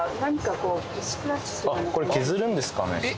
これ削るんですかねえっ？